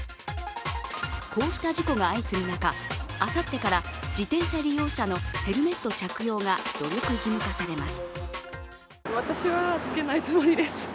こうした事故が相次ぐ中、あさってから自転車利用者のヘルメット着用が努力義務化されます。